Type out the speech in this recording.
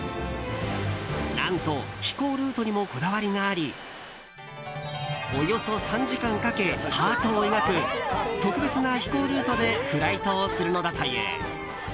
何と飛行ルートにもこだわりがありおよそ３時間かけハートを描く特別な飛行ルートでフライトをするのだという。